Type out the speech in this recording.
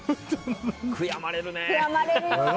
悔やまれるね。